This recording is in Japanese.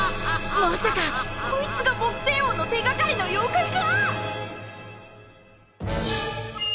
まさかこいつが朴仙翁の手がかりの妖怪か！？